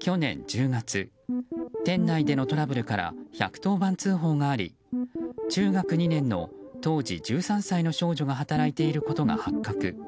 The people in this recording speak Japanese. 去年１０月店内でのトラブルから１１０番通報があり、中学２年の当時１３歳の少女が働いていることが発覚。